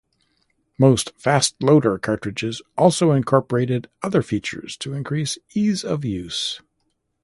Most fast loader cartridges also incorporated other features to increase ease of use.